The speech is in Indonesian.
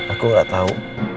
aku gak tau